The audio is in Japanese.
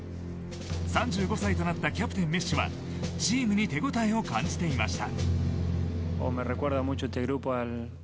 ３５歳となったキャプテン・メッシはチームに手応えを感じていました。